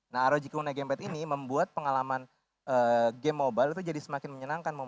nah rog kunai gamepad ini membuat pengalaman game mobile itu jadi semakin menyenangkan